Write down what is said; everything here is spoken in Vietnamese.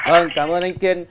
ơ cám ơn anh kiên